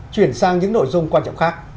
chuyển sang những nội dung quan trọng khác